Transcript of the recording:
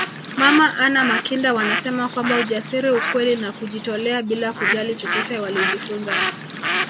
Mama Anna Makinda wanasema kwamba ujasiri ukweli na kujitolea bila kujali chochote walijifunza